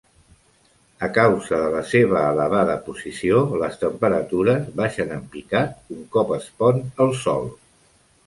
A causa de la seva elevada posició, les temperatures baixen en picat un cop es pon el sol.